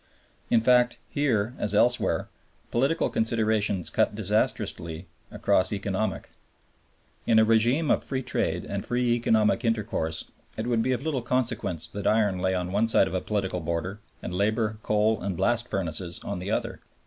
In fact, here, as elsewhere, political considerations cut disastrously across economic. In a rÈgime of Free Trade and free economic intercourse it would be of little consequence that iron lay on one side of a political frontier, and labor, coal, and blast furnaces on the other.